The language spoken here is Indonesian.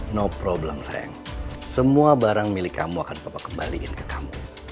no problem sayang semua barang milik kamu akan papa kembaliin ke kamu